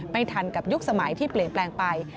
ไม่ทันกับยุคสมัยที่เปลี่ยนแปลงไป